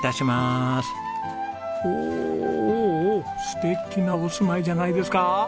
素敵なお住まいじゃないですか！